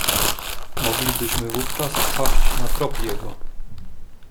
"Moglibyśmy wówczas wpaść na trop jego."